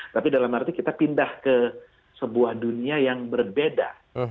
tapi dalam arti kita pindah ke sebuah dunia yang berbeda